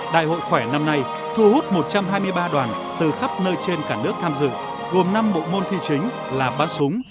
đại hội khỏe năm nay thu hút một trăm hai mươi ba đoàn từ khắp nơi trên cả nước tham dự gồm năm bộ môn thi chính là bắn súng